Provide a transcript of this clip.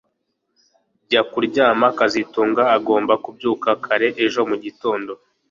Jya kuryama kazitunga Ugomba kubyuka kare ejo mugitondo